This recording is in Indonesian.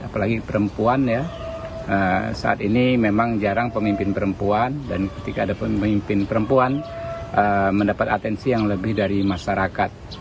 apalagi perempuan ya saat ini memang jarang pemimpin perempuan dan ketika ada pemimpin perempuan mendapat atensi yang lebih dari masyarakat